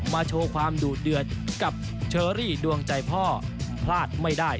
โชว์ความดูดเดือดกับเชอรี่ดวงใจพ่อพลาดไม่ได้